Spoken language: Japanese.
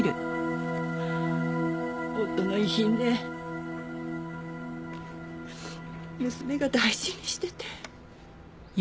夫の遺品で娘が大事にしてて。